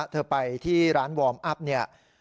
เธอไปที่ร้านวอร์มอัพเนี่ย